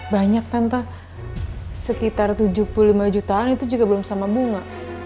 banyak tante sekitar tujuh puluh lima jutaan itu juga belum sama bunga